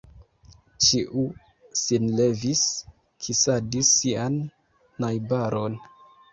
Ĉiu sin levis, kisadis sian najbaron.